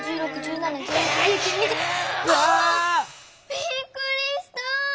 びっくりした！